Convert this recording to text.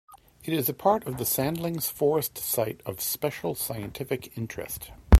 It is part of the Sandlings Forest Site of Special Scientific Interest.